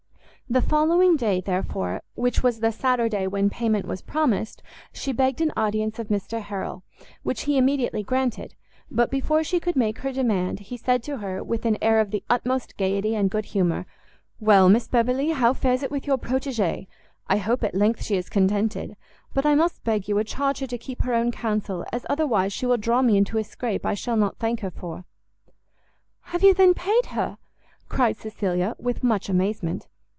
The following day, therefore, which was the Saturday when payment was promised, she begged an audience of Mr Harrel; which he immediately granted; but, before she could make her demand, he said to her, with an air of the utmost gaiety and good humour, "Well, Miss Beverley, how fares it with your protegee? I hope, at length, she is contented. But I must beg you would charge her to keep her own counsel, as otherwise she will draw me into a scrape I shall not thank her for." "Have you, then, paid her?" cried Cecilia, with much amazement.